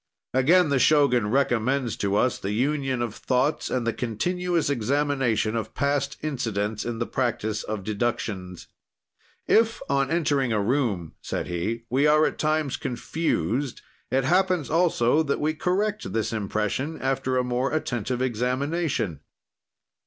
Again the Shogun recommends to us the union of thoughts and the continuous examination of past incidents in the practise of deductions. "If on entering a room," said he, "we are at times confused, it happens also that we correct this impression after a more attentive examination.